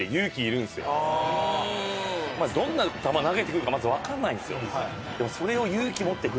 どんな球投げてくるかまずわからないんですよ。